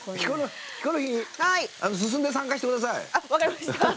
ヒコロヒー進んで参加してください。